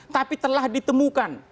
tapi telah ditemukan